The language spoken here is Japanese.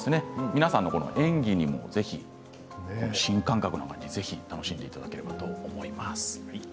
皆さんの演技にもぜひ新感覚なのでぜひ楽しんでいただければと思います。